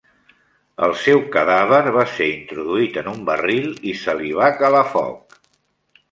El seu cadàver va ser introduït en un barril i se li va calar foc.